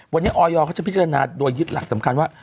วันนี้ออยเขาจะพิจารณาโดยยึดหลักสำคัญว่า